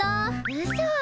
うそ。